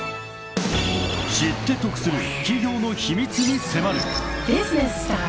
［知って得する企業の秘密に迫る］